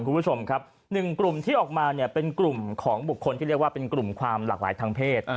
คุณผู้ชมครับหนึ่งกลุ่มที่ออกมาเนี่ยเป็นกลุ่มของบุคคลที่เรียกว่าเป็นกลุ่มความหลากหลายทางเพศ